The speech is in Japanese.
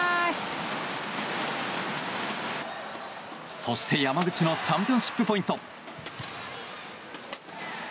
そして山口のチャンピオンシップポイント。